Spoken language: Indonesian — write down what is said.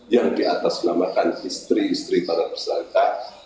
yang diatasnamakan istri istri para tersangka